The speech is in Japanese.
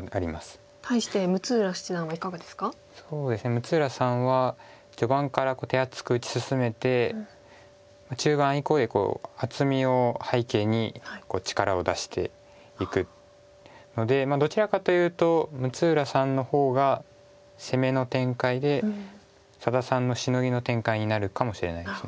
六浦さんは序盤から手厚く打ち進めて中盤以降で厚みを背景に力を出していくのでどちらかというと六浦さんの方が攻めの展開で佐田さんのシノギの展開になるかもしれないです。